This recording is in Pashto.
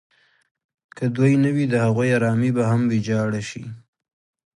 که دوی نه وي د هغوی ارامي به هم ویجاړه شي.